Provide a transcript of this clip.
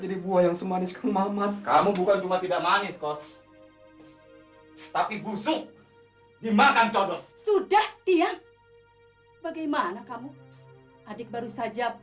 ada yang gak beres